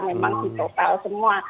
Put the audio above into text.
memang di total semua